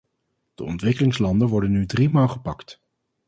De ontwikkelingslanden worden nu drie maal gepakt.